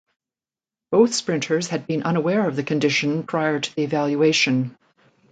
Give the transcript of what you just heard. Both sprinters had been unaware of the condition prior to the evaluation.